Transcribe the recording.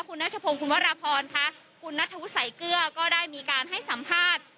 คุณนัชพงศ์คุณวรพรค่ะคุณนัทธวุฒิสายเกลือก็ได้มีการให้สัมภาษณ์